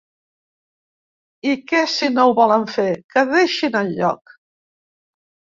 I que si no ho volen fer, que deixin el lloc.